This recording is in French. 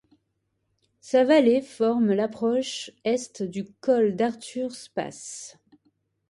Sa vallée forme l’approche est du col d’Arthur's Pass.